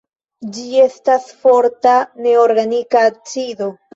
Ĝi estas forta neorganika acido.